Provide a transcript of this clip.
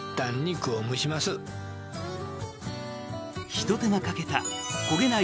ひと手間かけた焦げない